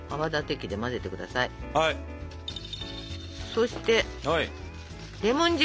そしてレモン汁。